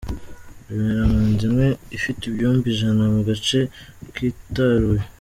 Bibera mu nzu imwe ifite ibyumba ijana mu gace kitaruye.